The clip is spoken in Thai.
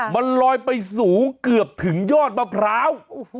มันลอยไปสูงเกือบถึงยอดมะพร้าว